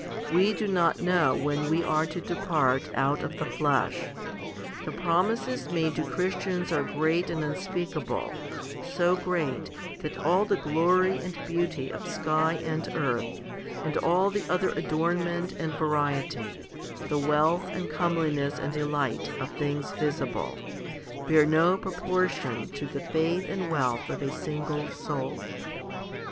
We do not know when we are to depart out of the flesh. The promises made to Christians are great and unspeakable, so great, that all the glory and beauty of sky and earth, and all the other adornment and variety, the wealth and comeli ness and delight, of things visible, bear no" proportion to the faith and wealth of a single soul.